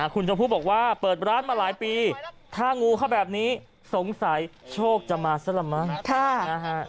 คุณชมพู่บอกว่าเปิดร้านมาหลายปีถ้างูเข้าแบบนี้สงสัยโชคจะมาซะละมั้ง